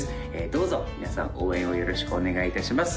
どうぞ皆さん応援をよろしくお願いいたします